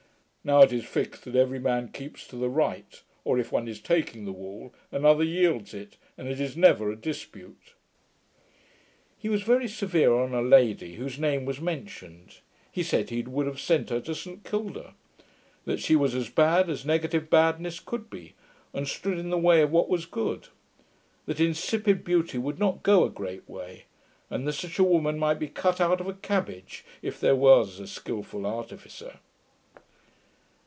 Now, it is fixed that every man keeps to the right; or, if one is taking the wall, another yields it, and it is never a dispute.' He was very severe on a lady, whose name was mentioned. He said, he would have sent her to St Kilda. That she was as bad as negative badness could be, and stood in the way of what was good: that insipid beauty would not go a great way; and that such a woman might be cut out of a cabbage, if there was a skilful artificer.